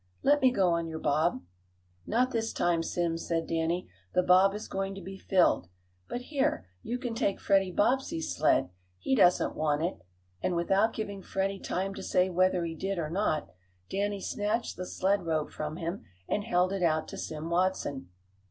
"Let me go on your bob?" "Not this time, Sim," said Danny. "The bob is going to be filled. But here, you can take Freddie Bobbsey's sled. He doesn't want it," and without giving Freddie time to say whether he did or not Danny snatched the sled rope from him and held it out to Sim Watson.